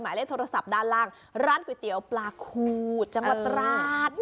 หมายเลขโทรศัพท์ด้านล่างร้านก๋วยเตี๋ยวปลาคูจังหวัดตราด